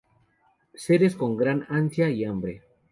Seres con gran ansia y hambre.